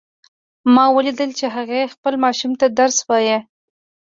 ما ولیدل چې هغې خپل ماشوم ته درس وایه